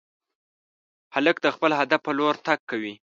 هلک د خپل هدف په لور تګ کوي.